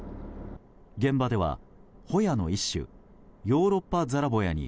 現場では、ホヤの一種ヨーロッパザラボヤに